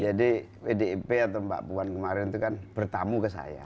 pdip atau mbak puan kemarin itu kan bertamu ke saya